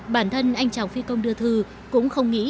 bản thân anh chào phi công đưa thư cũng không nghĩ